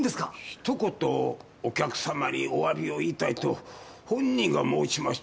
「ひと言お客様にお詫びを言いたい」と本人が申しまして。